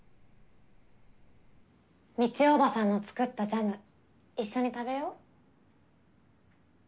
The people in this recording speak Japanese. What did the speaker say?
美智叔母さんの作ったジャム一緒に食べよ？